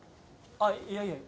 あっいやいや。